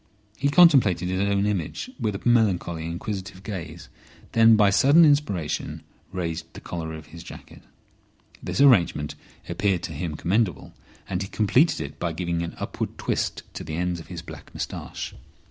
He contemplated his own image with a melancholy and inquisitive gaze, then by sudden inspiration raised the collar of his jacket. This arrangement appeared to him commendable, and he completed it by giving an upward twist to the ends of his black moustache.